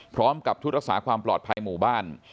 พร้อมกับชุดรักษาความปลอดภัยหมู่บ้าน